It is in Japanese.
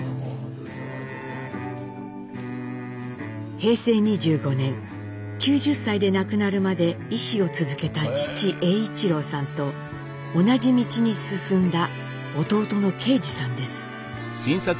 平成２５年９０歳で亡くなるまで医師を続けた父栄一郎さんと同じ道に進んだ弟の啓二さんです。